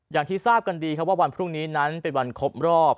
อย่างที่ทราบกันดีครับว่าวันพรุ่งนี้นั้นเป็นวันครบรอบ